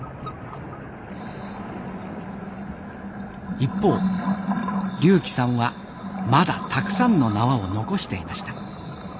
一方龍希さんはまだたくさんの縄を残していました。